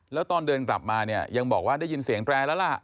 แล้วตอนเดินกลับมาเนี่ยยังบอกว่าได้ยินเสียงแตรแล้วล่ะ